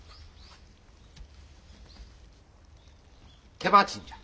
手間賃じゃ。